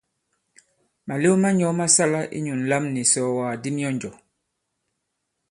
Màlew ma nyɔ̄ ma sāla inyū ǹlam nì ìsɔ̀ɔ̀wàk di myɔnjɔ̀.